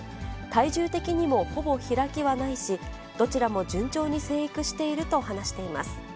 体重的にもほぼ開きはないし、どちらも順調に生育していると話しています。